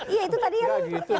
iya itu tadi yang